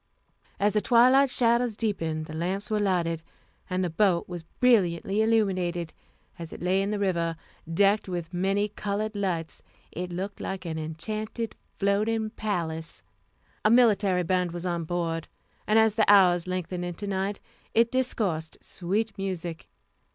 As the twilight shadows deepened the lamps were lighted, and the boat was brilliantly illuminated; as it lay in the river, decked with many colored lights, it looked like an enchanted floating palace. A military band was on board, and as the hours lengthened into night it discoursed sweet music.